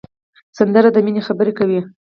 سندره د مینې خبرې کوي